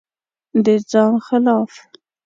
د ځان خلاف